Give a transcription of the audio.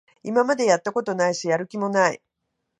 今までやったことないし、やる気もない